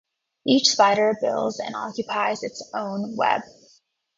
Each spider builds and occupies its own web.